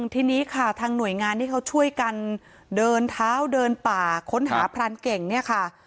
ทีนี้ค่ะทางหน่วยงานที่เขาช่วยกันเดินเท้าเดินป่าค้นหาพรานเก่งเนี่ยค่ะ